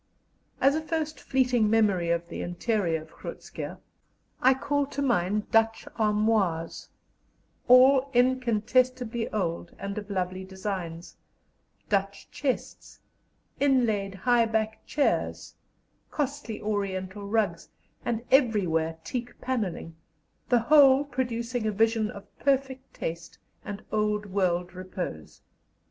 As a first fleeting memory of the interior of Groot Schuurr, I call to mind Dutch armoires, all incontestably old and of lovely designs, Dutch chests, inlaid high backed chairs, costly Oriental rugs, and everywhere teak panelling the whole producing a vision of perfect taste and old world repose.